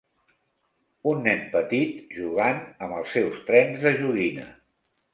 Un nen petit jugant amb els seus trens de joguina